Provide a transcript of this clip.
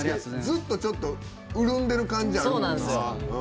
ずっとちょっと潤んでる感じあるもんな。